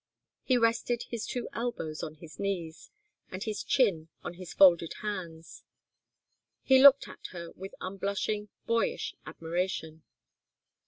He rested his two elbows on his knees, and his chin on his folded hands, and looked at her with unblushing, boyish admiration.